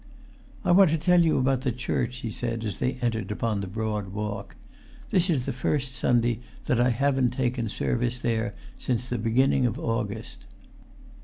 "I want to tell you about the church," he said, as they entered upon the broad walk. "This is the first Sunday that I haven't taken service there since the beginning of August."